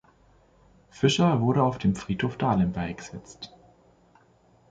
Fischer wurde auf dem Friedhof Dahlem beigesetzt.